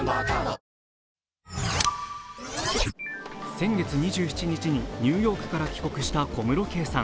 先月２７日にニューヨークから帰国した小室圭さん。